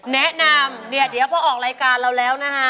แนะนำเนี่ยเดี๋ยวพอออกรายการเราแล้วนะฮะ